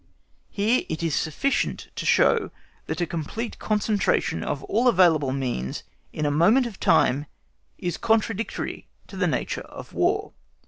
Here it is sufficient to show that a complete concentration of all available means in a moment of time is contradictory to the nature of War.